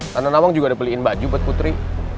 tanah nawang juga udah beliin baju buat putri